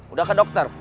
udah ke dokter